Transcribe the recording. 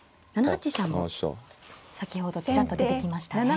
７八飛車も先ほどちらっと出てきましたね。